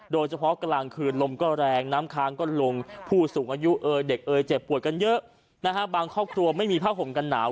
เด็กเอ่ยเจ็บปวดกันเยอะบางครอบครัวไม่มีผ้าผมกันหนาว